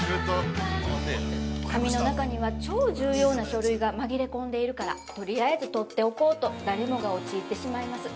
◆紙の中には、超重要な書類が紛れ込んでいるからとりあえずとっておこうと誰もが陥ってしまいます。